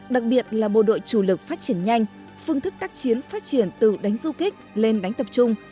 đặc biệt là bộ đội chủ lực phát triển nhanh phương thức tác chiến phát triển từ đánh du kích lên đánh tập trung